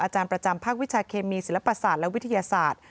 อาจารย์ประจำภาควิชาเคมีศิลปศาสตร์และวิทยาศาสตร์